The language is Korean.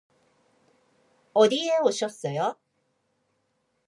어디에 오셨어요?